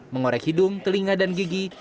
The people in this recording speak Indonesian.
mengorek hidung telinga dan gigi